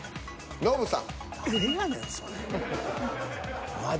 ノブさん。